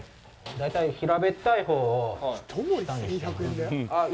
大体、平べったいほうを下にしてもらって。